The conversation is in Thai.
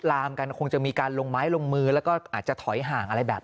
ลามกันคงจะมีการลงไม้ลงมือแล้วก็อาจจะถอยห่างอะไรแบบ